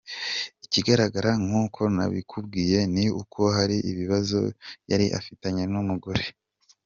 Ikigaragara nkuko nabikubwiye ni uko hari ibibazo yari afitanye n’umugore.